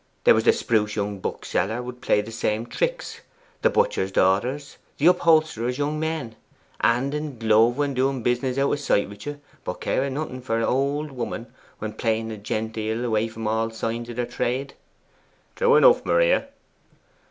There was the spruce young bookseller would play the same tricks; the butcher's daughters; the upholsterer's young men. Hand in glove when doing business out of sight with you; but caring nothing for a' old woman when playing the genteel away from all signs of their trade.' 'True enough, Maria.